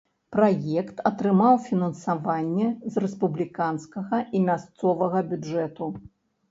Праект атрымаў фінансаванне з рэспубліканскага і мясцовага бюджэту.